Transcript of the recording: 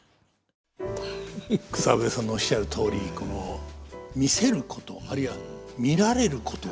草笛さんのおっしゃるとおり「見せること」あるいは「見られること」。